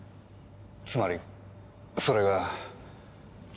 つまりそれが。